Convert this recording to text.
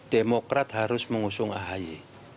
demokrat harus mengusung ahaya